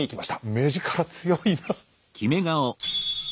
目力強いな。